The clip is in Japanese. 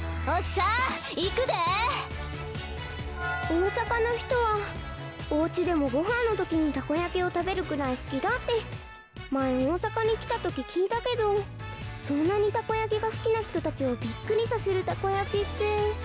大阪のひとはおうちでもごはんのときにたこ焼きをたべるくらいすきだってまえに大阪にきたとききいたけどそんなにたこ焼きがすきなひとたちをびっくりさせるたこ焼きって。